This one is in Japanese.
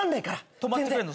止まってくれんの？